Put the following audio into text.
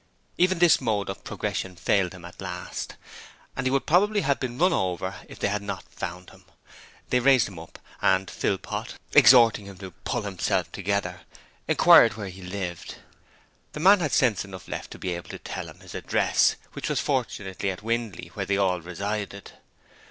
Even this mode of progression failed him at last, and he would probably have been run over if they had not found him. They raised him up, and Philpot, exhorting him to 'pull himself together' inquired where he lived. The man had sense enough left to be able to tell them his address, which was fortunately at Windley, where they all resided.